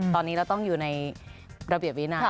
ตอนนี้เราต้องอยู่ในระเบียบวินัย